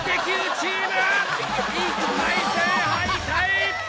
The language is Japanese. チーム１回戦敗退！